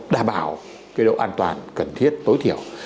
đảm bảo cái độ an toàn cần thiết tối thiểu